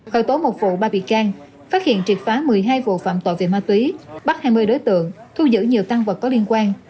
khởi tố một vụ ba bị can phát hiện triệt phá một mươi hai vụ phạm tội về ma túy bắt hai mươi đối tượng thu giữ nhiều tăng vật có liên quan